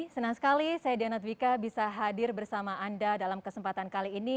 senang sekali saya diana twika bisa hadir bersama anda dalam kesempatan kali ini